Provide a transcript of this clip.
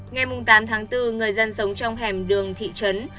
ngày tám tháng bốn người dân sống trong hẻm đường thị trấn